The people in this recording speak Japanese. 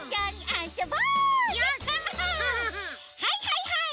はいはいはい！